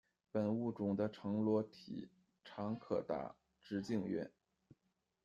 本物种的成螺体长可达，直径约。